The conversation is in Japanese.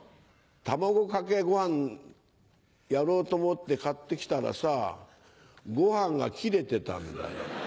卵かけご飯やろうと思って買ってきたらさご飯が切れてたんだよ。